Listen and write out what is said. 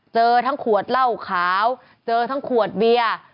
เจอทั้งขวดเหล้าขาวเจอทั้งขวดเบียร์